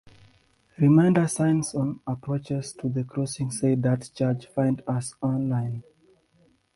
Reminder signs on approaches to the crossing say Dart charge; find us online.